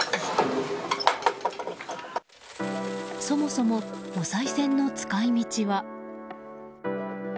そもそもおさい銭の使い道は。